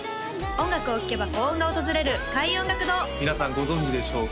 音楽を聴けば幸運が訪れる開運音楽堂皆さんご存じでしょうか？